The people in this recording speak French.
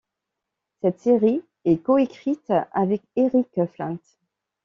Cette série est coécrite avec Eric Flint.